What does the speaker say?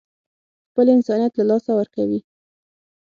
خپل انسانيت له لاسه ورکوي.